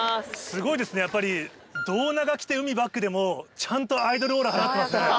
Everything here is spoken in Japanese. すごいですねやっぱり胴長着て海バックでもちゃんとアイドルオーラ放ってますね。